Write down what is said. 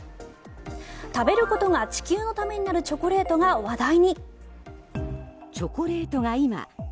食べることが地球のためになるチョコレートが話題に！